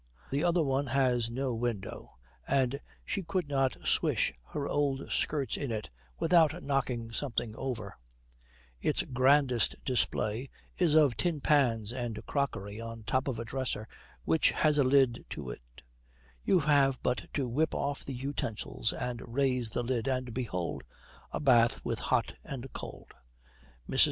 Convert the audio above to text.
The other one has no window, and she could not swish her old skirts in it without knocking something over; its grandest display is of tin pans and crockery on top of a dresser which has a lid to it; you have but to whip off the utensils and raise the lid, and, behold, a bath with hot and cold. Mrs.